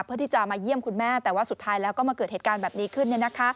เพื่อที่จะมาเยี่ยมคุณแม่แต่ว่าสุดท้ายแล้วก็มาเกิดเหตุการณ์แบบนี้ขึ้น